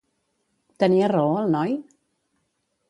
Tenia raó el noi?